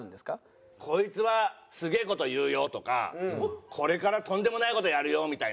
「こいつはすげえ事言うよ」とか「これからとんでもない事やるよ」みたいな。